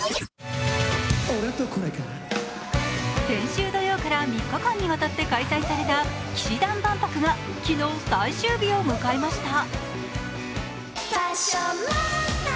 先週土曜から３日間にわたって開催された氣志團万博が昨日、最終日を迎えました。